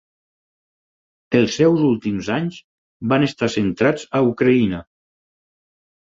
Els seus últims anys van estar centrats a Ucraïna.